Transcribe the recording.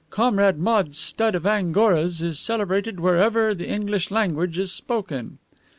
Comrade Maude's stud of Angoras is celebrated wherever the English language is spoken."